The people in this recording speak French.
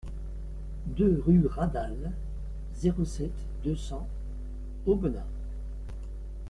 deux rue Radal, zéro sept, deux cents Aubenas